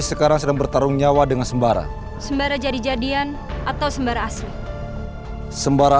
sekarang sedang bertarung nyawa dengan sembara sembara jadi jadian atau sembara asli sembara